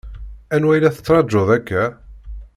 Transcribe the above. Anwa i la tettṛaǧuḍ akka?